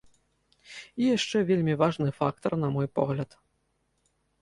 І яшчэ вельмі важны фактар, на мой погляд.